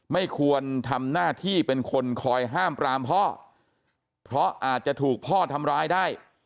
ไม่ควรทำหน้าที่เป็นคนคอยห้ามปรามพ่อเพราะอาจจะถูกพ่อทำร้ายได้